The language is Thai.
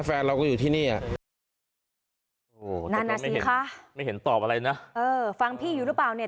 แฟนเราก็อยู่ที่นี่อ่ะนานาสีค่ะไม่เห็นตอบอะไรนะเออฟังพี่อยู่หรือเปล่าเนี่ย